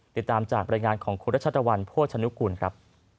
ติดตามจากบรรยายงานของคุณรัชตะวันโภชนุกูลครับ